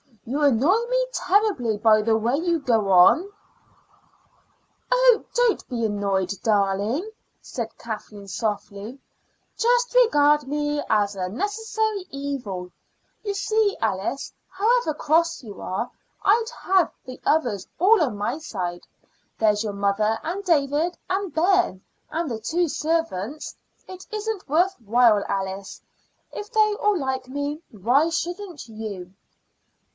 "You annoy me terribly by the way you go on." "Oh, don't be annoyed, darling," said Kathleen softly. "Just regard me as a necessary evil. You see, Alice, however cross you are, I'd have the others all on my side. There's your mother and David and Ben and the two servants. It isn't worth while, Alice. If they all like me, why shouldn't you?"